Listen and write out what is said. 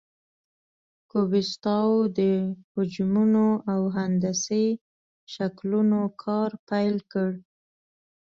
کوبیسټاو د حجمونو او هندسي شکلونو کار پیل کړ.